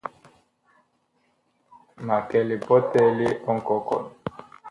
Ma kɛ lipɔtɛ li nkɔkɔn.